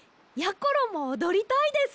ころもおどりたいです。